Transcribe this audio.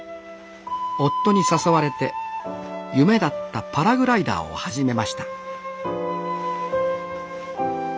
夫に誘われて夢だったパラグライダーを始めました